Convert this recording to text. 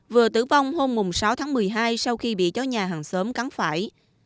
vừa tử vong hôm sáu tháng một mươi hai sau khi bị chó nhà hàng xóm cắn phải